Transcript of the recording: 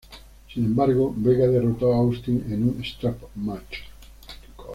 Sin embargo, Vega derrotó a Austin en en un strap match.